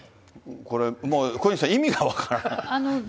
これ、小西さん、意味が分からない。